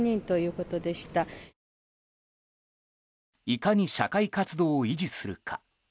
いかに社会活動を維持するか。